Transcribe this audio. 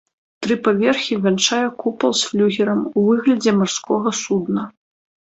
Тры паверхі вянчае купал з флюгерам у выглядзе марскога судна.